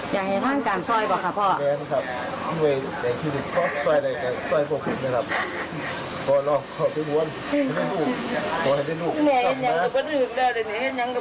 อยากให้ท่านกลางซอยเปล่าค่ะพ่อใช่แล้วครับที่เวย์ให้ที่นึกพอซอยเฉยซอยพอคุณครับ